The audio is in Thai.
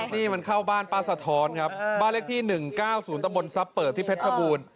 นี่มันเข้าบ้านป้าสะท้อนครับบ้านเลขที่๑๙๐ตำบลทรัพย์เปิดที่เพชรชบูรณ์